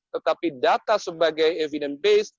tetapi data sebagai evidence base